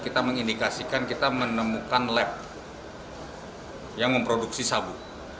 kita mengindikasikan kita menemukan lab yang memproduksi sabu